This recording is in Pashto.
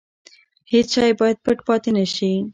هیڅ شی باید پټ پاتې نه شي.